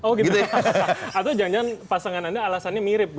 atau jangan jangan pasangan anda alasannya mirip